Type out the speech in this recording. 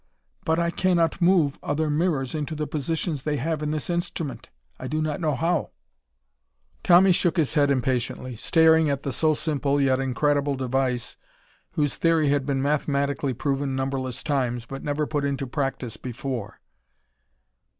But I cannot move other mirrors into the positions they have in this instrument. I do not know how." Tommy shook his head impatiently, staring at the so simple, yet incredible device whose theory had been mathematically proven numberless times, but never put into practice before.